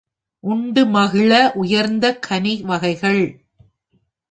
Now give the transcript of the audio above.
உண்டு மகிழ உயர்ந்த கனி வகைகள்!